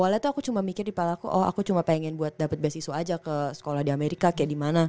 awalnya tuh aku cuma mikir di palaku oh aku cuma pengen buat dapet beasiswa aja ke sekolah di amerika kayak di mana